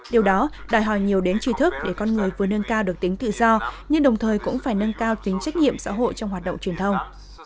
điều đó đòi hỏi nhiều đến trí thức để con người vừa nâng cao được tính tự do nhưng đồng thời cũng phải nâng cao tính trách nhiệm xã hội trong hoạt động truyền thông